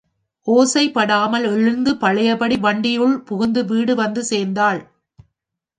ஓசைபடாமல் எழுந்து பழையபடி வண்டியுள் புகுந்து வீடு வந்து சேர்ந்தாள்.